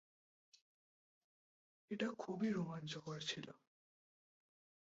এটা খুবই রোমাঞ্চকর ছিল।